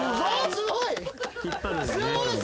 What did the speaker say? すごい！